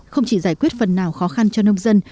không chỉ giải quyết phần nào khó khăn cho nông dân